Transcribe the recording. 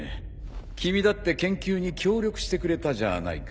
君だって研究に協力してくれたじゃないか。